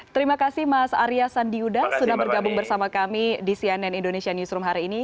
terima kasih mas arya sandiuda sudah bergabung bersama kami di cnn indonesia newsroom hari ini